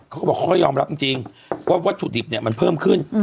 เขาก็บอกเขาก็ยอมรับจริงว่าวัตถุดิบเนี่ยมันเพิ่มขึ้น